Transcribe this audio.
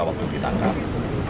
waktu itu kita